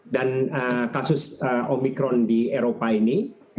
dan kasus omicron di eropa ini